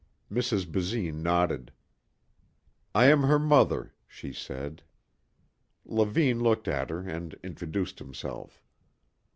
Mrs. Basine nodded. "I am her mother," she said. Levine looked at her and introduced himself.